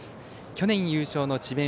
去年優勝の智弁